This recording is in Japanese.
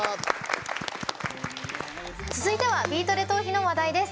続いては「ビートＤＥトーヒ」の話題です。